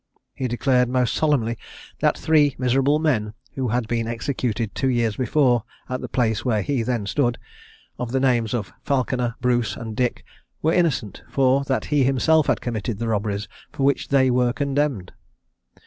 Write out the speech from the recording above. He declared most solemnly that three miserable men, who had been executed two years before at the place where he then stood, of the names of Falconer, Bruce, and Dick, were innocent, for that he himself had committed the robberies for which they were condemned!